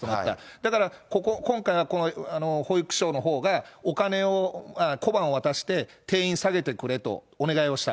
だから、ここ、今回はこの保育所のほうが小判を渡して、定員下げてくれとお願いをした。